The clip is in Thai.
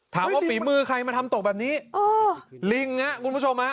ถามว่าปีมือใครมาทำตกแบบนี้อ๋อลิงน่ะคุณผู้ชมอ่ะ